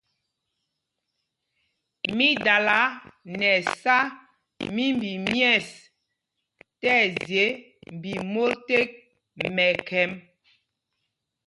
Mi dala nɛ ɛsá mímbi myɛ̂ɛs tí ɛzye mbi mot tek mɛkhɛm.